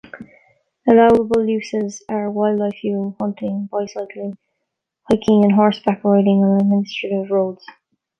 Allowable uses are wildlife viewing, hunting, bicycling, hiking, and horseback riding on administrative roads.